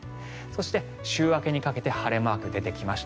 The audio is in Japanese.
そして、週明けにかけて晴れマークが出てきます。